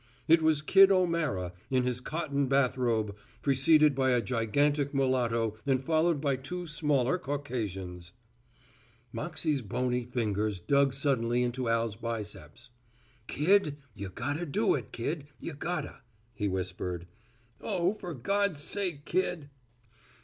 It was Kid O'Mara in his cotton bathrobe preceded by a gigantic mulatto and followed by two smaller Caucasians. Moxey's bony fingers dug suddenly into Al's biceps. "Kid, you gotta do it, Kid, you gotta," he whispered. "O, fer God's sake, Kid."